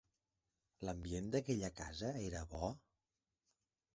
L'ambient d'aquella casa era bo?